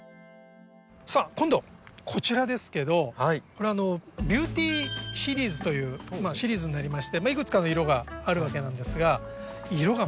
さあ今度こちらですけどこれは「ビューティーシリーズ」というシリーズになりましていくつかの色があるわけなんですが色がまたすごくいいでしょ？